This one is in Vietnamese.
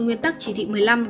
nguyên tắc chỉ thị một mươi năm